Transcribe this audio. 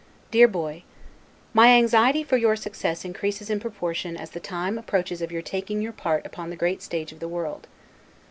DEAR BOY: My anxiety for your success increases in proportion as the time approaches of your taking your part upon the great stage of the world.